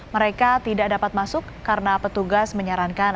mereka tidak dapat masuk karena petugas menyarankan